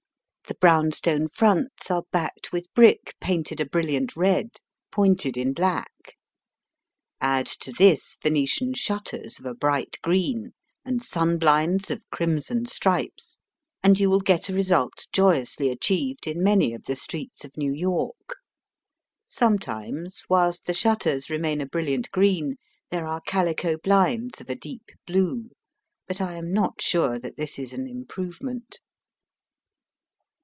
The brown stone fronts are backed with brick painted a brilliant red, pointed in black. Add to this Venetian shutters of a bright green, and sunbHnds of crimson stripes, and you wiQ get a result joyously achieved in many of the streets of New York. Sometimes whilst the shutters remain a brilliant green there are calico blinds of a deep blue. But I am not sure that this is an improvement.